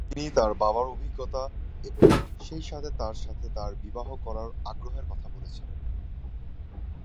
তিনি তার বাবার অভিজ্ঞতা এবং সেইসাথে তার সাথে তার বিবাহ করার আগ্রহের কথা বলেছিলেন।